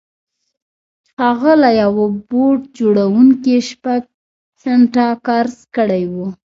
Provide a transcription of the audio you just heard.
هغه له یوه بوټ جوړوونکي شپږ سنټه قرض کړي وو